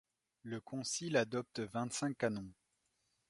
Le concile adopte vingt-cinq canons.